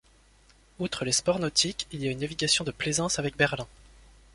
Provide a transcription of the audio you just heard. Outre les sports nautiques, il y a une navigation de plaisance avec Berlin.